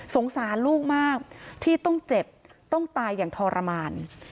สงสารลูกมากที่ต้องเจ็บต้องตายอย่างทรมาน